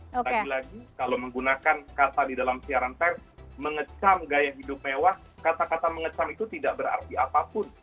lagi lagi kalau menggunakan kata di dalam siaran pers mengecam gaya hidup mewah kata kata mengecam itu tidak berarti apapun